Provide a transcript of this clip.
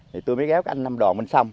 thì tôi mới ghé với anh nam đoàn bên sông